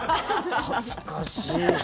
恥ずかしい。